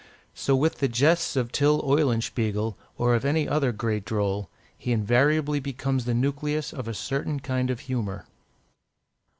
So with the jests of Tyll Eulenspiegel, or of any other great droll; he invariably becomes the nucleus of a certain kind of humour.